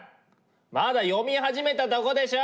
まだ読み始めたとこでしょ！